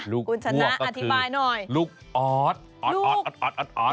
ลูกหวกก็คือคุณชะนะอธิบายหน่อยลูกอ๊อดอัดเหรอ